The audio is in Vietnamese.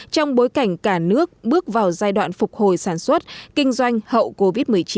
trong bối cảnh cả nước bước vào giai đoạn phục hồi sản xuất kinh doanh hậu covid một mươi chín